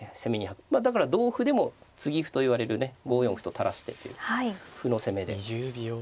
だから同歩でも継ぎ歩といわれるね５四歩と垂らしてっていう歩の攻めで。